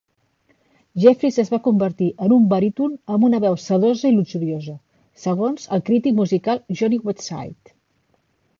Jeffries es va convertir en un "baríton amb una veu sedosa i luxuriosa", segons el crític musical Jonny Whiteside.